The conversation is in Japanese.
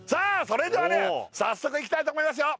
それではね早速いきたいと思いますよ